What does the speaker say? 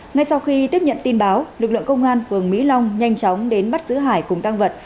ngay sau khi tiếp nhận tin báo lực lượng công an phường mỹ long nhanh chóng đến bắt giữ hải cùng tăng vật